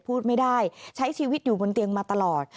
พูดไม่ได้ใช้ชีวิตอยู่บนเตียงมาตลอด